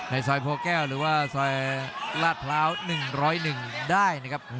ซอยโพแก้วหรือว่าซอยลาดพร้าว๑๐๑ได้นะครับ